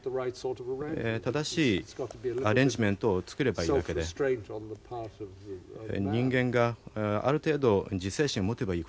正しいアレンジメントを作ればいいだけで人間がある程度自制心を持てばいい事だと思います。